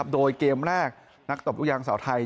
โดยเกมแรกนักตบลูกยางสาวไทย